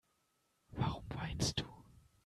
Warum weinst du?